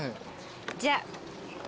じゃあ。